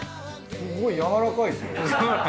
すごいやわらかいですよ。